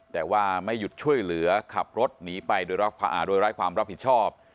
แต่ว่าไม่หยุดช่วยเหลือขับรถหนีไปโดยไร้ความรับผิดชอบ